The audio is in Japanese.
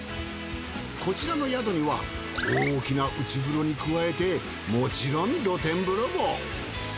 こちらの宿には大きな内風呂に加えてもちろん露天風呂も。